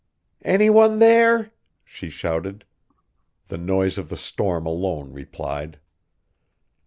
"Any one there?" she shouted. The noise of the storm alone replied.